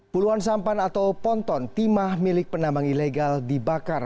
puluhan sampan atau ponton timah milik penambang ilegal dibakar